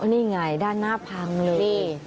นี่ไงด้านหน้าพังเลย